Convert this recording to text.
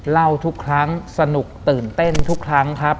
ทุกครั้งสนุกตื่นเต้นทุกครั้งครับ